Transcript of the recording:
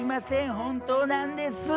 本当なんです。